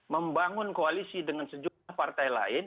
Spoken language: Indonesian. membangun koalisi dengan sejumlah partai lain